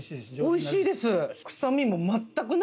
おいしいです。